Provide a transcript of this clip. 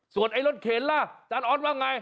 ส่วนไอ้รถเข็นล่ะอาจารย์ออสว่าไง